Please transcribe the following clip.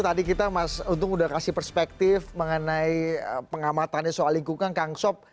tadi kita mas untung sudah kasih perspektif mengenai pengamatannya soal lingkungan kang sob